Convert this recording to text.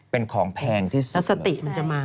เป็นของแพงที่สุดแล้วสติมันจะมา